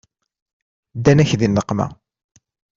Ddan-ak di nneqma.